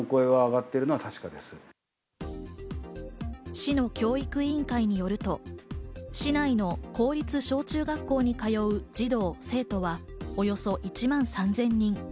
市の教育委員会によると、市内の公立小中学校に通う児童、生徒はおよそ１万３０００人。